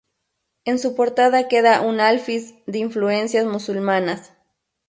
En su portada queda un alfiz de influencias musulmanas.